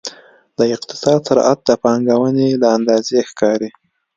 د اقتصاد سرعت د پانګونې له اندازې ښکاري.